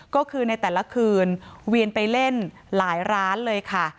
ก็คือในแต่ละคืนเวียนไปเล่นหลายร้านเลยค่ะ